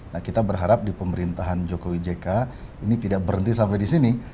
nah kita berharap di pemerintahan jokowi jk ini tidak berhenti sampai di sini